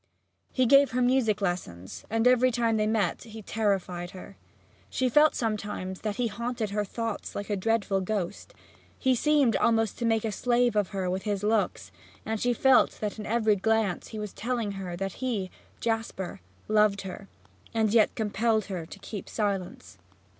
He gave her music lessons and every time they met he terrified her. She felt sometimes that he haunted her thoughts like a dreadful ghost. He seemed almost to make a slave of her with his looks, and she felt that in every glance he was telling her that he, Jasper, loved her and yet compelled her to keep silence.